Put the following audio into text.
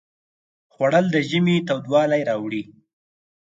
خوړل د ژمي تودوالی راوړي